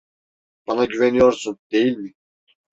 Bana güveniyorsun, değil mi?